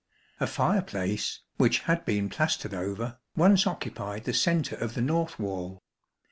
A fireplace which had been plastered over, once occupied the centre of the north wall.